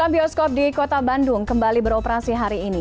sembilan bioskop di kota bandung kembali beroperasi hari ini